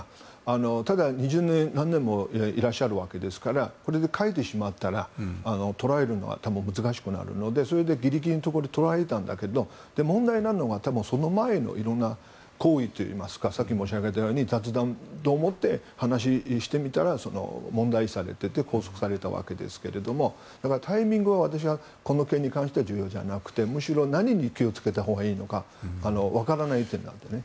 ただ、二十何年もいらっしゃるわけですからこれで帰ってしまったら捕らえるのは難しくなるのでぎりぎりのところで捕らえたんだけど問題なのが、その前のいろいろな行為といいますか先ほども言った雑談だと思って話をしたら問題視されていて拘束されたわけですけれどもタイミングは私はこの件に関しては重要じゃなくてむしろ何に気を付けたほうがいいのか分からない点ですね。